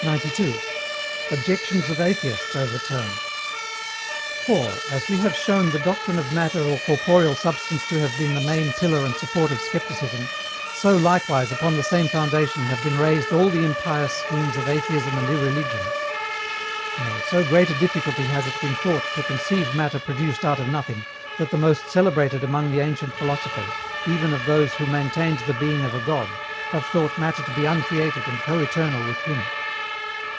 92. OBJECTIONS OF ATHEISTS OVERTURNED. For, as we have shown the doctrine of Matter or corporeal substance to have been the main pillar and support of Scepticism, so likewise upon the same foundation have been raised all the impious schemes of Atheism and Irreligion. Nay, so great a difficulty has it been thought to conceive Matter produced out of nothing, that the most celebrated among the ancient philosophers, even of those who maintained the being of a God, have thought Matter to be uncreated and co eternal with Him.